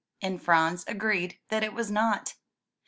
And Franz agreed that it was not.